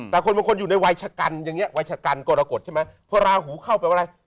แต่คนบางคนอยู่ในวัยฉกันวัยฉกันกรกฎเพราะลาหูเข้าไปว่าอะไร